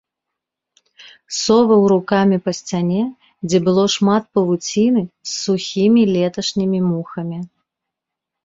Соваў рукамі па сцяне, дзе было шмат павуціны з сухімі леташнімі мухамі.